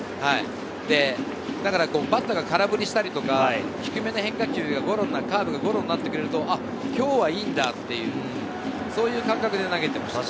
だからバッターが空振りしたり、低めの変化球、ゴロになってくれると、今日はいいんだ、そういう感覚で投げていました。